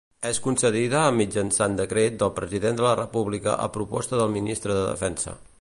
És concedida mitjançant decret del President de la República a proposta del Ministre de Defensa.